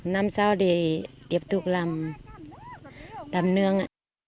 năm sau để tiếp tục làm nương